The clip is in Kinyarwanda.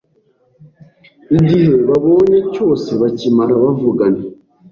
igihe babonye cyose bakimara bavugana